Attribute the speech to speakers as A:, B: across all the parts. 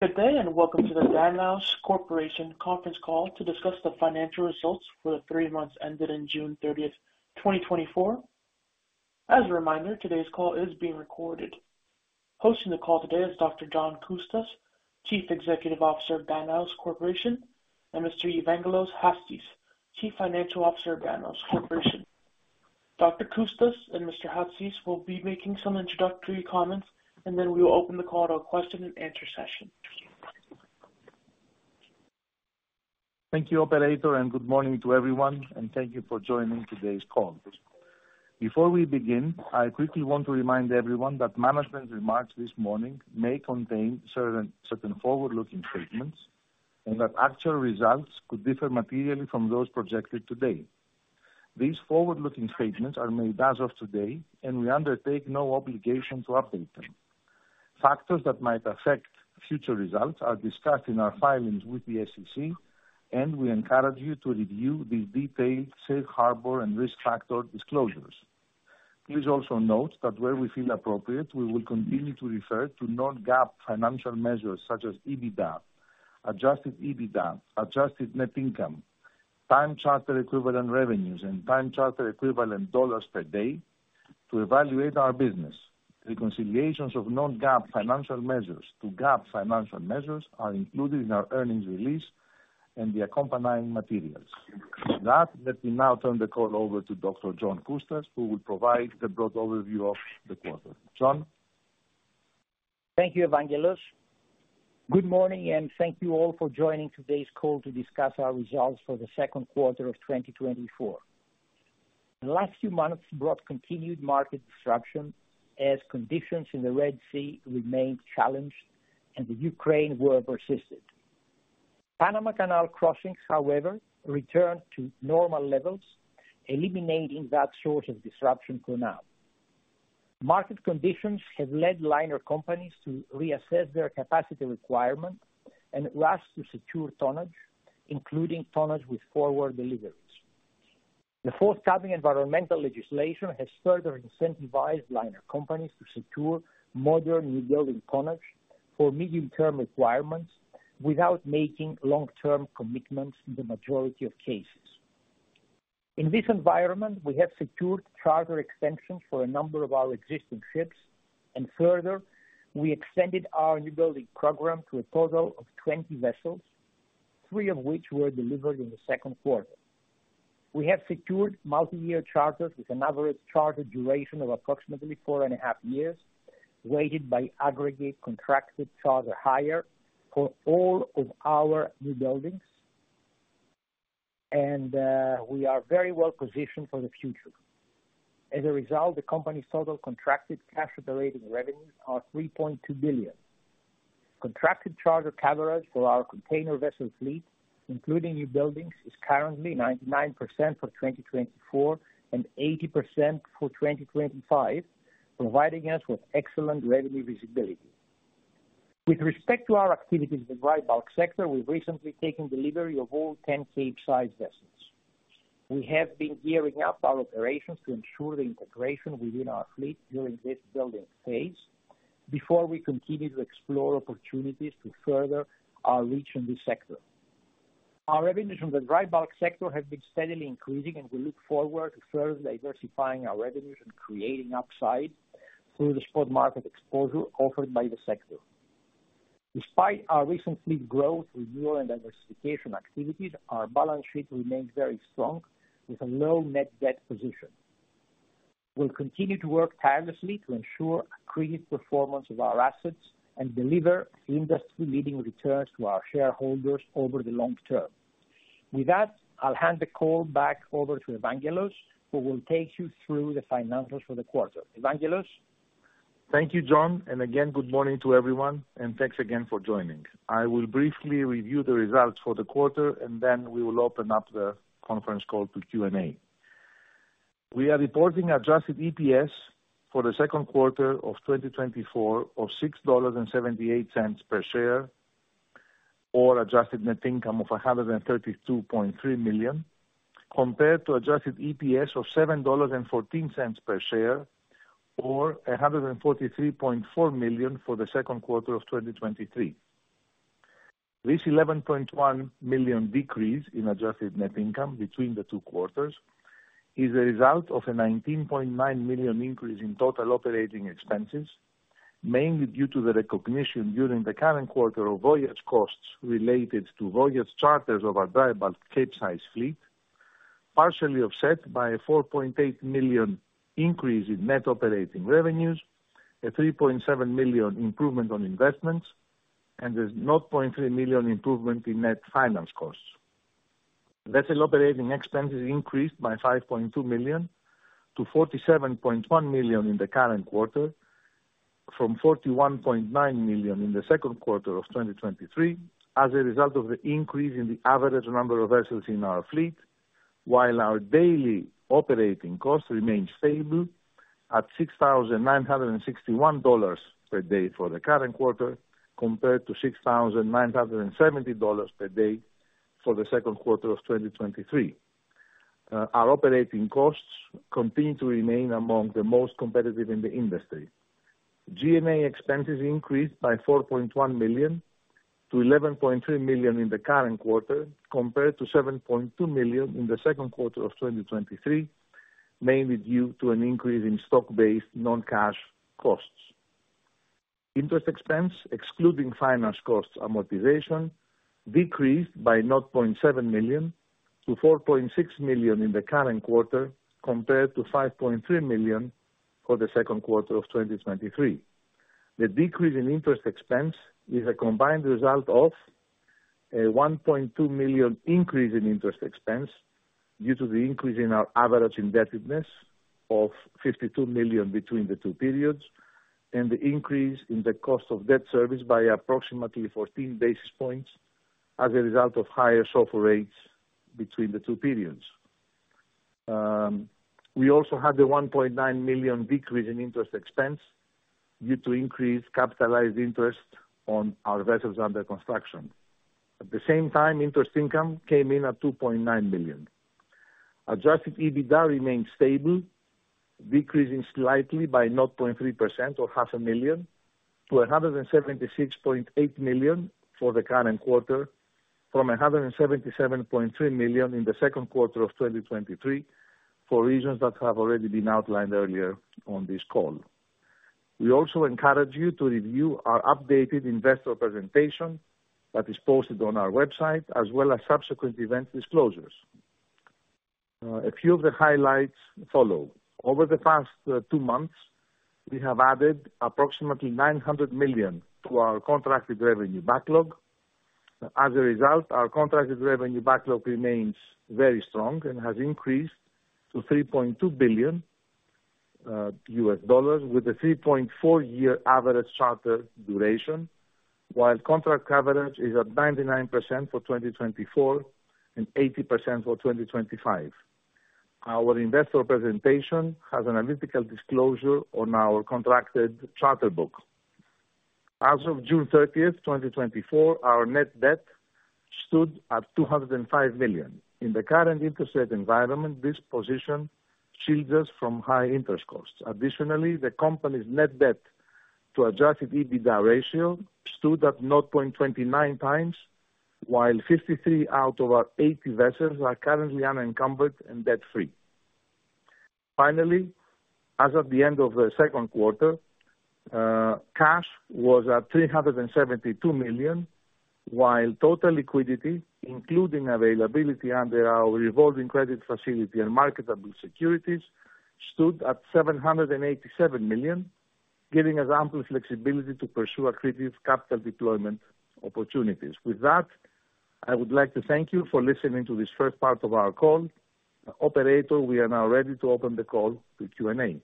A: Good day, and welcome to the Danaos Corporation conference call to discuss the financial results for the three months ended June 30, 2024. As a reminder, today's call is being recorded. Hosting the call today is Dr. John Coustas, Chief Executive Officer of Danaos Corporation, and Mr. Evangelos Chatzis, Chief Financial Officer of Danaos Corporation. Dr. Coustas and Mr. Chatzis will be making some introductory comments, and then we will open the call to a question and answer session.
B: Thank you, operator, and good morning to everyone, and thank you for joining today's call. Before we begin, I quickly want to remind everyone that management's remarks this morning may contain certain forward-looking statements and that actual results could differ materially from those projected today. These forward-looking statements are made as of today, and we undertake no obligation to update them. Factors that might affect future results are discussed in our filings with the SEC, and we encourage you to review the detailed safe harbor and risk factor disclosures. Please also note that where we feel appropriate, we will continue to refer to non-GAAP financial measures such as EBITDA, adjusted EBITDA, adjusted net income, time charter equivalent revenues, and time charter equivalent dollars per day to evaluate our business. Reconciliations of non-GAAP financial measures to GAAP financial measures are included in our earnings release and the accompanying materials. With that, let me now turn the call over to Dr. John Coustas, who will provide a broad overview of the quarter. John?
C: Thank you, Evangelos. Good morning, and thank you all for joining today's call to discuss our results for the second quarter of 2024. The last few months brought continued market disruption as conditions in the Red Sea remained challenged and the Ukraine war persisted. Panama Canal crossings, however, returned to normal levels, eliminating that source of disruption for now. Market conditions have led liner companies to reassess their capacity requirements and at last to secure tonnage, including tonnage with forward deliveries. The forthcoming environmental legislation has further incentivized liner companies to secure modern new building tonnage for medium-term requirements without making long-term commitments in the majority of cases. In this environment, we have secured charter extensions for a number of our existing ships, and further, we extended our new building program to a total of 20 vessels, three of which were delivered in the second quarter. We have secured multi-year charters with an average charter duration of approximately four and a half years, weighted by aggregate contracted charter hire for all of our new buildings, and we are very well positioned for the future. As a result, the company's total contracted cash operating revenues are $3.2 billion. Contracted charter coverage for our container vessel fleet, including new buildings, is currently 99% for 2024 and 80% for 2025, providing us with excellent revenue visibility. With respect to our activities in the dry bulk sector, we've recently taken delivery of all 10 Capesize vessels. We have been gearing up our operations to ensure the integration within our fleet during this building phase before we continue to explore opportunities to further our reach in this sector. Our revenues from the dry bulk sector have been steadily increasing, and we look forward to further diversifying our revenues and creating upside through the spot market exposure offered by the sector. Despite our recent fleet growth, renewal, and diversification activities, our balance sheet remains very strong, with a low net debt position. We'll continue to work tirelessly to ensure accretive performance of our assets and deliver industry-leading returns to our shareholders over the long term. With that, I'll hand the call back over to Evangelos, who will take you through the financials for the quarter. Evangelos?
B: Thank you, John, and again, good morning to everyone, and thanks again for joining. I will briefly review the results for the quarter, and then we will open up the conference call to Q&A. We are reporting adjusted EPS for the second quarter of 2024 of $6.78 per share or adjusted net income of $132.3 million, compared to adjusted EPS of $7.14 per share or $143.4 million for the second quarter of 2023. This $11.1 million decrease in adjusted net income between the two quarters is a result of a $19.9 million increase in total operating expenses, mainly due to the recognition during the current quarter of voyage costs related to voyage charters of our dry bulk Capesize fleet, partially offset by a $4.8 million increase in net operating revenues, a $3.7 million improvement on investments, and a $0.3 million improvement in net finance costs. Vessel operating expenses increased by $5.2 million-$47.1 million in the current quarter from $41.9 million in the second quarter of 2023 as a result of the increase in the average number of vessels in our fleet, while our daily operating costs remained stable at $6,961 per day for the current quarter, compared to $6,970 per day for the second quarter of 2023. Our operating costs continue to remain among the most competitive in the industry. G&A expenses increased by $4.1 million-$11.3 million in the current quarter, compared to $7.2 million in the second quarter of 2023, mainly due to an increase in stock-based non-cash costs. Interest expense, excluding finance costs amortization, decreased by $0.7 million-$4.6 million in the current quarter, compared to $5.3 million for the second quarter of 2023. The decrease in interest expense is a combined result of a $1.2 million increase in interest expense due to the increase in our average indebtedness of $52 million between the two periods, and the increase in the cost of debt service by approximately 14 basis points as a result of higher SOFR rates between the two periods. We also had a $1.9 million decrease in interest expense due to increased capitalized interest on our vessels under construction. At the same time, interest income came in at $2.9 million. Adjusted EBITDA remains stable, decreasing slightly by 0.3% or $500,000-$176.8 million for the current quarter, from $177.3 million in the second quarter of 2023, for reasons that have already been outlined earlier on this call. We also encourage you to review our updated investor presentation that is posted on our website, as well as subsequent event disclosures. A few of the highlights follow. Over the past two months, we have added approximately $900 million to our contracted revenue backlog. As a result, our contracted revenue backlog remains very strong and has increased to $3.2 billion, with a 3.4-year average charter duration, while contract coverage is at 99% for 2024 and 80% for 2025. Our investor presentation has analytical disclosure on our contracted charter book. As of June 30, 2024, our net debt stood at $205 million. In the current interest rate environment, this position shields us from high interest costs. Additionally, the company's net debt to Adjusted EBITDA ratio stood at 0.29 times, while 53 out of our 80 vessels are currently unencumbered and debt-free. Finally, as of the end of the second quarter, cash was at $372 million, while total liquidity, including availability under our revolving credit facility and marketable securities, stood at $787 million, giving us ample flexibility to pursue accretive capital deployment opportunities. With that, I would like to thank you for listening to this first part of our call. Operator, we are now ready to open the call to Q&A.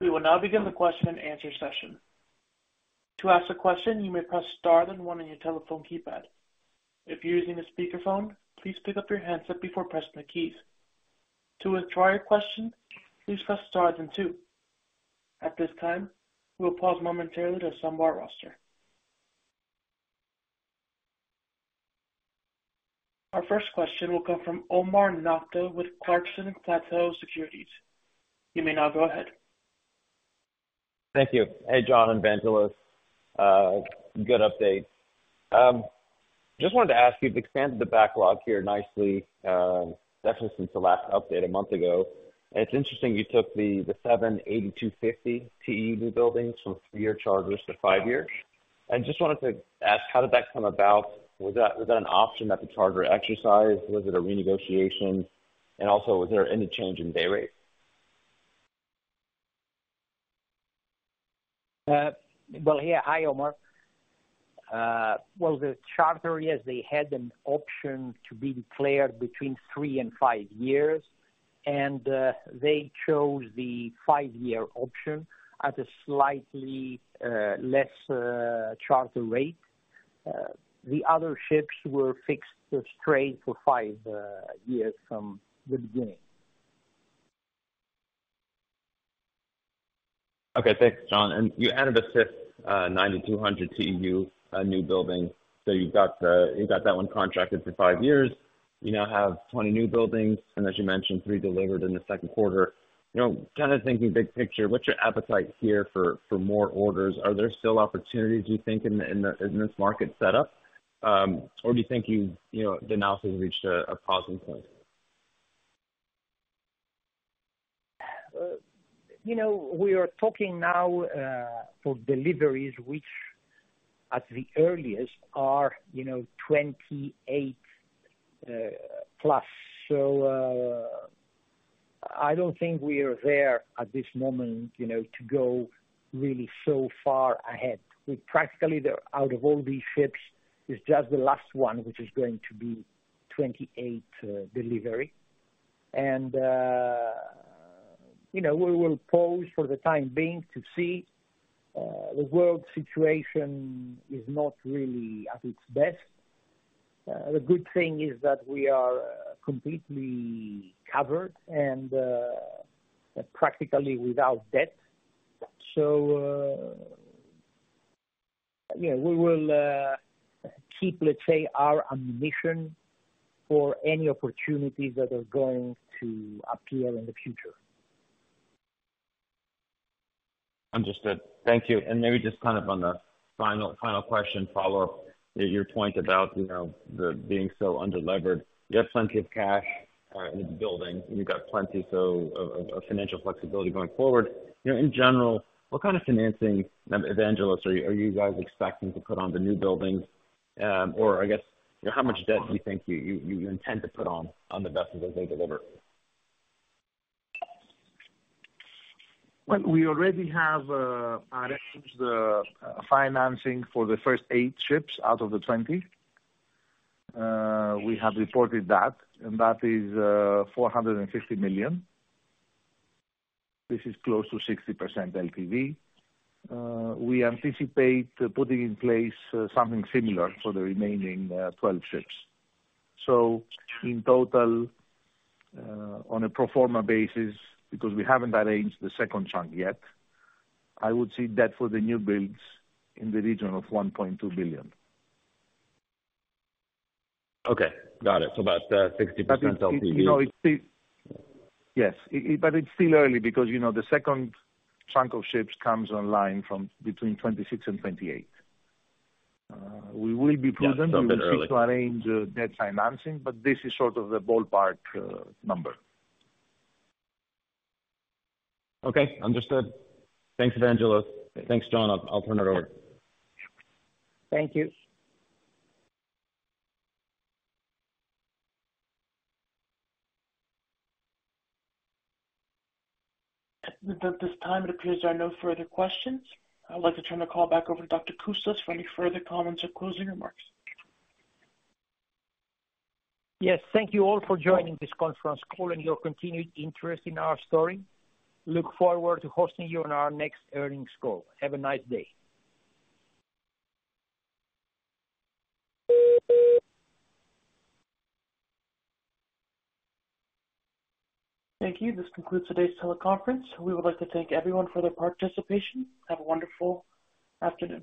A: We will now begin the question and answer session. To ask a question, you may press star then one on your telephone keypad. If you're using a speakerphone, please pick up your handset before pressing the keys. To withdraw your question, please press star then two. At this time, we'll pause momentarily to assemble our roster. Our first question will come from Omar Nokta with Clarksons Platou Securities. You may now go ahead.
D: Thank you. Hey, John and Evangelos, good update. Just wanted to ask you, you've expanded the backlog here nicely, definitely since the last update a month ago. It's interesting you took the seven 8,250 TEU newbuildings from three-year charters to five years. I just wanted to ask, how did that come about? Was that an option that the charter exercised? Was it a renegotiation? And also, was there any change in day rate?
C: Well, yeah. Hi, Omar. Well, the charter, yes, they had an option to be declared between three and five years, and they chose the five-year option at a slightly less charter rate. The other ships were fixed straight for five years from the beginning.
D: Okay. Thanks, John. And you added a fifth, 9,200 TEU newbuilding. So you've got, you got that one contracted for five years. You now have 20 newbuildings, and as you mentioned, three delivered in the second quarter. You know, kind of thinking big picture, what's your appetite here for, for more orders? Are there still opportunities you think in the, in the, in this market setup? Or do you think you've, you know, Danaos has reached a pausing point?
C: You know, we are talking now for deliveries which at the earliest are, you know, 28+. So, I don't think we are there at this moment, you know, to go really so far ahead. We practically the, out of all these ships, it's just the last one, which is going to be 28 delivery. And, you know, we will pause for the time being to see, the world situation is not really at its best. The good thing is that we are completely covered and, practically without debt. Yeah, we will keep, let's say, our ammunition for any opportunities that are going to appear in the future.
D: Understood. Thank you. And maybe just kind of on the final, final question follow-up, your point about, you know, the being so under-levered. You have plenty of cash in the building. You've got plenty, so of, of, of financial flexibility going forward. You know, in general, what kind of financing, Evangelos, are you, are you guys expecting to put on the new buildings? Or I guess, how much debt do you think you, you, you intend to put on, on the vessels as they deliver?
B: Well, we already have arranged the financing for the first eight ships out of the 20. We have reported that, and that is $450 million. This is close to 60% LTV. We anticipate putting in place something similar for the remaining 12 ships. So in total, on a pro forma basis, because we haven't arranged the second chunk yet, I would see debt for the new builds in the region of $1.2 billion.
D: Okay, got it. So about 60% LTV.
B: Yes. But it's still early because, you know, the second chunk of ships comes online from between 2026 and 2028. We will be prudent-
D: Yeah, still a bit early.
B: We will seek to arrange debt financing, but this is sort of the ballpark number.
D: Okay, understood. Thanks, Evangelos. Thanks, John. I'll turn it over.
C: Thank you.
A: At this time, it appears there are no further questions. I'd like to turn the call back over to Dr. Coustas for any further comments or closing remarks.
C: Yes. Thank you all for joining this conference call and your continued interest in our story. Look forward to hosting you on our next earnings call. Have a nice day.
A: Thank you. This concludes today's teleconference. We would like to thank everyone for their participation. Have a wonderful afternoon.